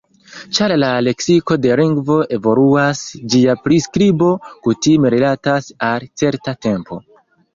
Ĉar la leksiko de lingvo evoluas, ĝia priskribo kutime rilatas al certa tempo.